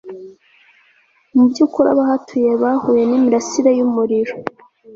mubyukuri, abahatuye bahuye nimirasire yumuriro